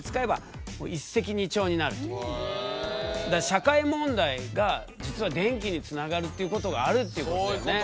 社会問題が実は電気につながるっていうことがあるっていうことだよね。